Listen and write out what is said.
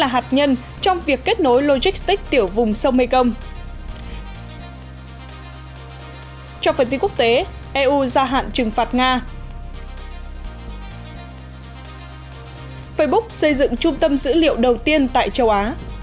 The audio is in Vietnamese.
facebook xây dựng trung tâm dữ liệu đầu tiên tại châu á